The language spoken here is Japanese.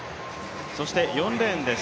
そして４レーンです。